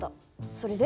それで？